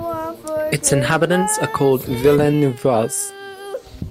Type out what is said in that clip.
Its inhabitants are called "Villeneuvois".